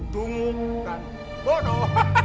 dunguk dan bodoh